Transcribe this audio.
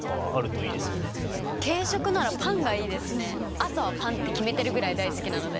朝はパンって決めてるぐらい大好きなので。